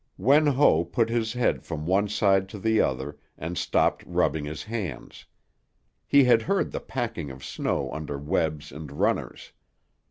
Wen Ho put his head from one side to the other and stopped rubbing his hands. He had heard the packing of snow under webs and runners.